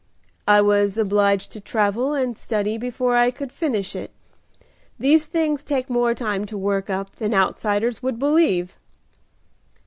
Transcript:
"I was obliged to travel and study before I could finish it. These things take more time to work up than outsiders would believe."